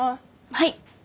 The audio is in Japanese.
はい。